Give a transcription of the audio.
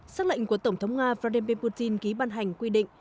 xác lệnh của tổng thống nga vladimir putin ký ban hành quy định